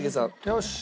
よし。